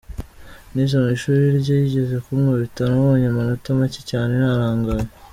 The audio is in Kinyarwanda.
Nize mu ishuri rye, yigeze kunkubita nabonye amanota make cyane, narangaye.